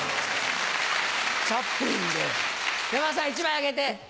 チャップリンで山田さん１枚あげて。